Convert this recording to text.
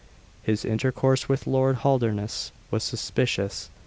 His intercourse with Lord Holdernesse was suspicious.